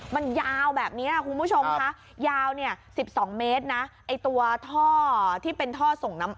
มันยาวแบบนี้คุณผู้ชมค่ะยาวเนี่ย๑๒เมตรนะไอ้ตัวท่อที่เป็นท่อส่งน้ำ